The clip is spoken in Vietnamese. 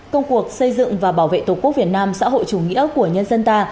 công cuộc xây dựng và bảo vệ tổ quốc việt nam xã hội chủ nghĩa của nhân dân ta